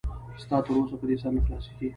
ستا تر اوسه په دې سر نه خلاصېږي.